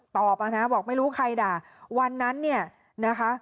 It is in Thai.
นะบอกไม่รู้ใครด่าวันนั้นเนี่ยนะคะ